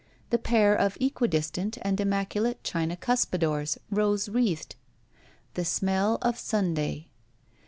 The pair of equidistant and immaculate china cuspidors, rose wreathed. The smell of Simday.